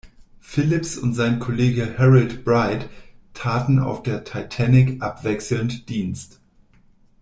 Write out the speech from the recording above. Philipps und sein Kollege Harold Bride taten auf der "Titanic" abwechselnd Dienst.